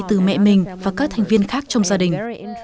từ mẹ mình và các thành viên khác trong gia đình